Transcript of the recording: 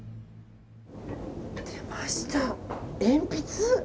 出ました、鉛筆。